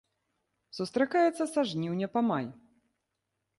Сустракаецца са жніўня па май.